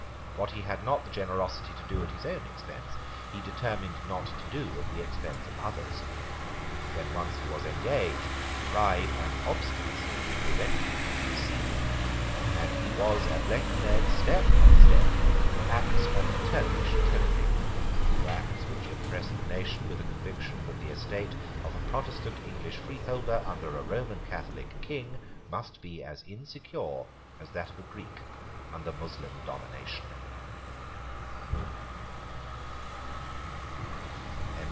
What he had not the generosity to do at his own expense he determined to do at the expense of others. When once he was engaged, pride and obstinacy prevented him from receding; and he was at length led, step by step, to acts of Turkish tyranny, to acts which impressed the nation with a conviction that the estate of a Protestant English freeholder under a Roman Catholic King must be as insecure as that of a Greek under Moslem domination.